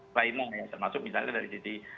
china ya termasuk misalnya dari sisi